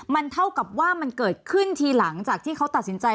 มันเท่ากับว่ามันเกิดขึ้นทีหลังจากที่เขาตัดสินใจ